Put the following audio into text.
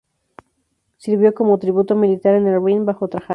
Sirvió como tribuno militar en el Rin bajo Trajano.